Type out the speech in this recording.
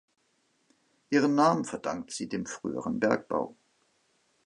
Ihren Namen verdankt sie dem früheren Bergbau.